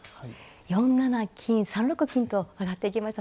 ４七金３六金と上がっていきました。